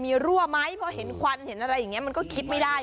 มีรั่วไหมเพราะเห็นควันเห็นอะไรอย่างนี้มันก็คิดไม่ได้